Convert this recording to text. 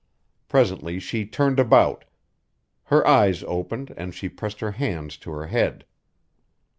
Presently she turned about; her eyes opened and she pressed her hands to her head.